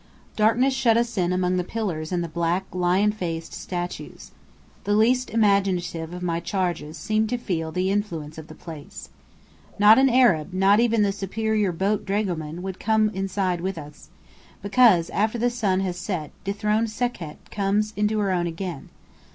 Darkness shut us in among the pillars and the black, lion faced statues. The least imaginative of my charges seemed to feel the influence of the place. Not an Arab, not even the superior boat dragoman, would come inside with us: because after the sun has set, dethroned Sekhet comes into her own again.